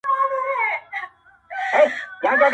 ښه ډېره ښكلا غواړي ،داسي هاسي نه كــيږي.